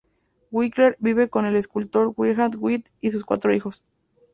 Winkler vive con el escultor Wiegand Wittig y sus cuatro hijos.